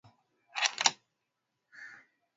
imarisha ushirikiano wetu kusimamia uhusiano wetu